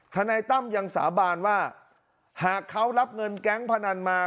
นายตั้มยังสาบานว่าหากเขารับเงินแก๊งพนันมา